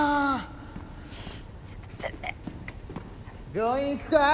病院行くか？